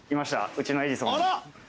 うちのエジソン。